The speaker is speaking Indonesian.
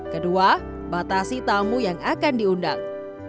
kedua batasi tamu yang akan diundang